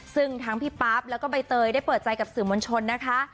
ซึ่งทั้งพี่ปั๊บแล้วก็ใบเตยได้เปิดใจกับสื่อมวลชนนะคะ